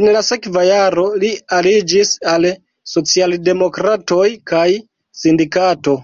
En la sekva jaro li aliĝis al socialdemokratoj kaj sindikato.